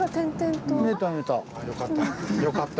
よかった。